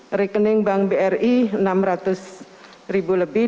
di rekening bank bri rp enam ratus lebih